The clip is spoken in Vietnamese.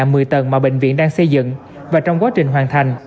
tầng năm là nhà một mươi tầng mà bệnh viện đang xây dựng và trong quá trình hoàn thành